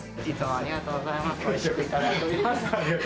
ありがとうございます。